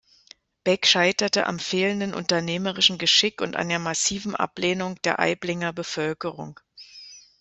Beck scheiterte am fehlenden unternehmerischen Geschick und an der massiven Ablehnung der Aiblinger Bevölkerung.